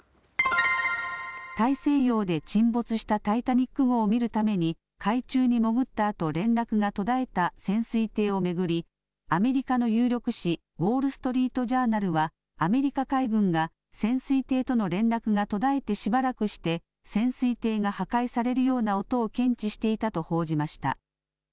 大西洋で沈没したタイタニック号を見るために海中に潜ったあと連絡が途絶えた潜水艇を巡りアメリカの有力紙、ウォール・ストリート・ジャーナルはアメリカ海軍が潜水艇との連絡が途絶えてしばらくして潜水艇が破壊されるような音を検知していたと報じました。